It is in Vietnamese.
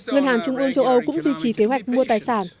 ngân hàng trung ương châu âu cũng duy trì kế hoạch mua tài sản